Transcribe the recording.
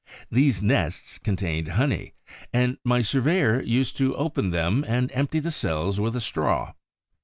These nests contained honey; and my surveyors used to open them and empty the cells with a straw.